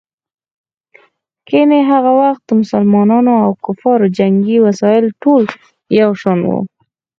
ګیني هغه وخت د مسلمانانو او کفارو جنګي وسایل ټول یو شان وو.